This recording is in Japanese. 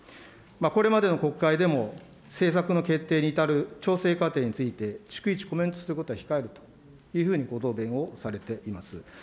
これまでの国会でも、政策の決定に至る調整過程について、逐一コメントすることは控えるというふうにご答弁をされています。